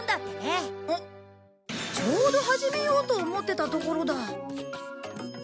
ちょうど始めようと思ってたところだ。